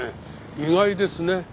意外ですね。